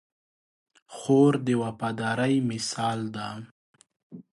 خور د وفادارۍ مثال ده.